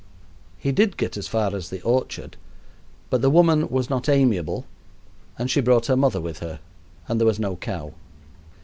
He did get as far as the orchard, but the woman was not amiable, and she brought her mother with her, and there was no cow.